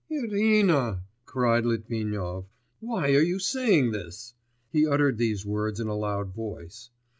'Irina!' cried Litvinov, 'why are you saying this?' He uttered these words in a loud voice.